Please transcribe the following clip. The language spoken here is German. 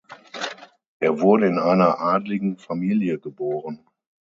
Er wurde in einer adligen Familie geboren.